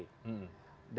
presiden dpr ri dan dpd